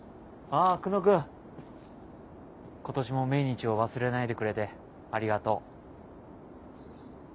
今年も命日を忘れないでくれてありがとう。